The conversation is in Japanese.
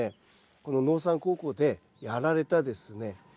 この農産高校でやられたですね